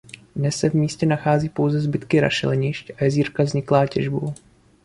Dnes se v místě nachází pouze zbytky rašelinišť a jezírka vzniklá těžbou.